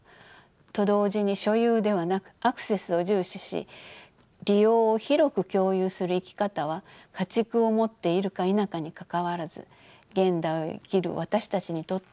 と同時に所有ではなくアクセスを重視し利用を広く共有する生き方は家畜を持っているか否かにかかわらず現代を生きる私たちにとっても参考になるのではないでしょうか。